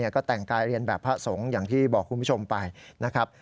ก็แต่งกายเรียนแบบพระสงฆ์อย่างที่บอกคุณผู้ชมไปนะครับ